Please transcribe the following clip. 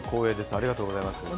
ありがとうございます。